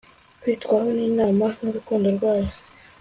Kwitabwaho nImana n urukundo rwayo